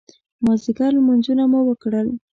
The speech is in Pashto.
مازدیګر لمونځونه مو وکړل.